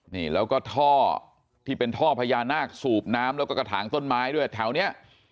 นี่แล้วก็ท่อที่เป็นท่อพญานาคสูบน้ำแล้วก็กระถางต้นไม้ด้วยแถวนี้